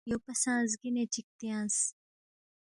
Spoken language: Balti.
یوپا سہ زگِنے چِک تیانگس